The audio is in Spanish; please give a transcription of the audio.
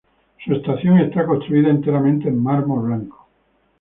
Su estación está construida enteramente en mármol blanco.